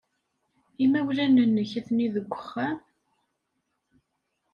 Imawlan-nnek atni deg uxxam?